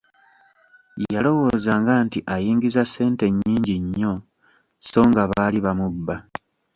Yalowoozanga nti ayingiza ssente nnyingi nnyo, sso nga baali bamubba.